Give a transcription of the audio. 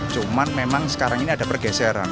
cuman memang sekarang ini ada pergeseran